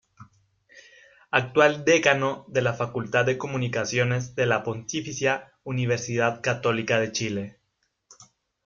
Actual decano de la Facultad de Comunicaciones de la Pontificia Universidad Católica de Chile.